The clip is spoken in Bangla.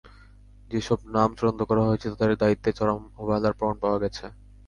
যেসব নাম চূড়ান্ত করা হয়েছে, তাঁদের দায়িত্বে চরম অবহেলার প্রমাণ পাওয়া গেছে।